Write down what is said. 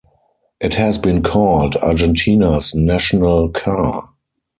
It has been called Argentina's national car.